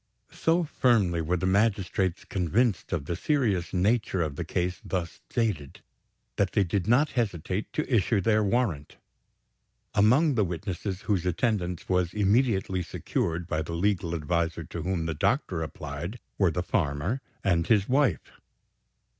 So firmly were the magistrates convinced of the serious nature of the case thus stated, that they did not hesitate to issue their warrant. Among the witnesses whose attendance was immediately secured, by the legal adviser to whom the doctor applied, were the farmer and his wife.